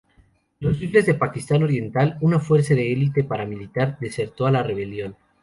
Los Rifles de Pakistán Oriental, una fuerza de elite paramilitar, desertó a la rebelión.